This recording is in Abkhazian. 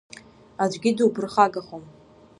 Аӡәгьы дуԥырхагахом…